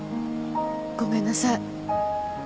ごめんなさい。